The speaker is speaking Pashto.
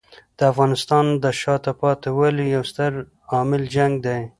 د افغانستان د شاته پاتې والي یو ستر عامل جنګ دی.